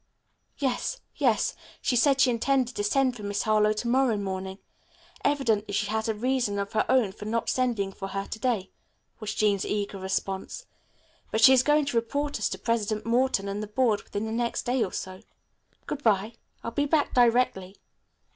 "Yes, yes. She said she intended to send for Miss Harlowe to morrow morning. Evidently she has a reason of her own for not sending for her to day," was Jean's eager response. "But she is going to report us to President Morton and the Board within the next day or so." "Good bye. I'll be back directly."